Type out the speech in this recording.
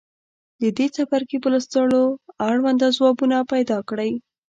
د دې څپرکي په لوستلو اړونده ځوابونه پیداکړئ.